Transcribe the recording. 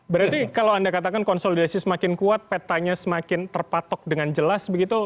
berarti kalau anda katakan konsolidasi semakin kuat petanya semakin terpatok dengan jelas begitu